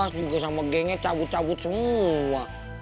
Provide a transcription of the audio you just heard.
abas juga sama geng nya cabut cabut semua